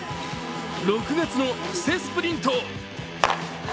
６月の布勢スプリント。